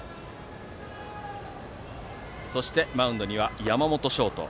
そして、マウンドには山本翔斗。